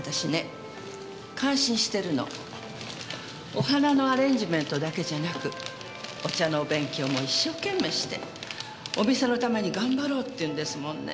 お花のアレンジメントだけじゃなくお茶のお勉強も一生懸命してお店のために頑張ろうっていうんですもんね。